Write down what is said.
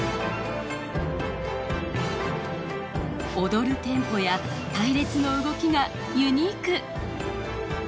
踊るテンポや隊列の動きがユニーク。